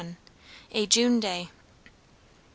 A JUNE DAY. Mrs.